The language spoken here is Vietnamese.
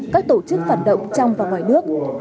các tổ chức phản động trong và ngoài nước